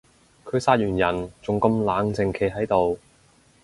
佢殺完人仲咁冷靜企喺度